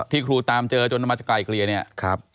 พี่ครูตามเจอจนมัจกายเครียร์เนี้ยครับ